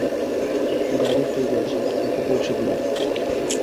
গাড়ি তৈরি আছে, আপনাকে পৌঁছে দেবে।